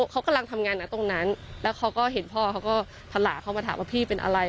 เขากำลังทำงานนะตรงนั้นแล้วเขาก็เห็นพ่อเขาก็ทะละเขามาถามว่าพี่เป็นอะไร